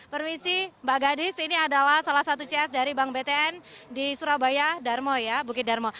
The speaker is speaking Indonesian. permisi mbak gadis ini adalah salah satu cs dari bank btn di surabaya darmo ya bukit darmo